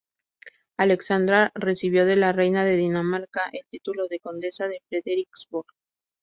Alexandra recibió de la reina de Dinamarca el título de condesa de Frederiksborg.